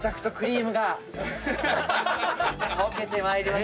溶けてまいります。